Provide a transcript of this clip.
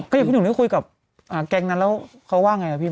ก็อยากคุยกับแกงนั้นแล้วเขาว่าไง